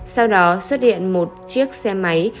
sau đó xuất hiện một chiếc xe máy